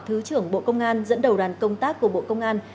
thứ trưởng bộ công an dẫn đầu đoàn công tác của bộ công an